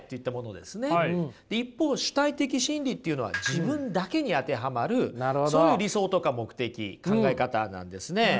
一方主体的真理っていうのは自分だけに当てはまるそういう理想とか目的考え方なんですね。